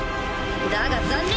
だが残念！